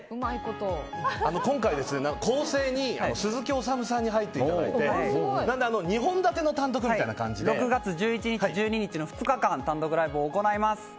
今回、構成に鈴木おさむさんに入っていただいて６月１１日、１２日の２日間、単独ライブを行います。